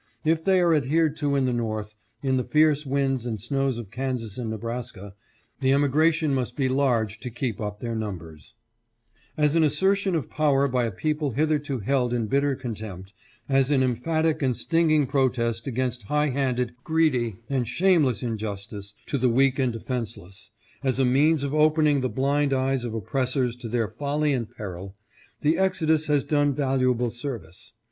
If they are adhered to in the North, in the fierce winds and snows of Kansas and Nebraska, the emigration must be large to keep up their numbers 532 THE RIGHT TO GO OR STAY MUST BE ASSURED. " As an assertion of power by a people hitherto held in bitter con tempt, as an emphatic and stinging protest against high handed, greedy, and shameless injustice to the weak and defenseless, as a means of opening the blind eyes of oppressors to their folly and peril, the exodus has done valuable service.